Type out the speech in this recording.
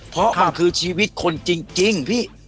เพราะมันคือชีวิตคนจริงพี่